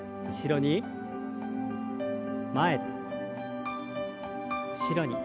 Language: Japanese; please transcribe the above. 前と後ろに。